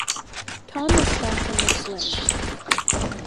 Tom is back in the slammer.